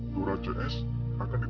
dora cs akan ditenggelamkan di laut